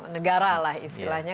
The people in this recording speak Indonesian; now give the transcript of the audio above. negara lah istilahnya